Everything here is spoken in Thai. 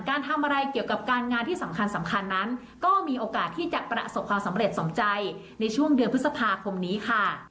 การทำอะไรเกี่ยวกับการงานที่สำคัญนั้นก็มีโอกาสที่จะประสบความสำเร็จสมใจในช่วงเดือนพฤษภาคมนี้ค่ะ